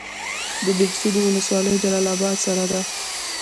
د بهسودو ولسوالۍ جلال اباد سره ده